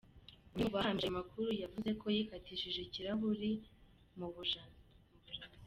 Umwe mu bahamije ayo makuru yavuze ko yikatishije ikirahuri mu bujana.